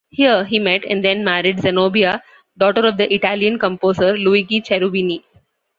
Here, he met and then married Zenobia, daughter of the Italian composer Luigi Cherubini.